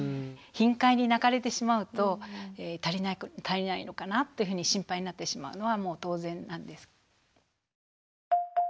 頻回に泣かれてしまうと足りないのかなってふうに心配になってしまうのはもう当然なんですけれども。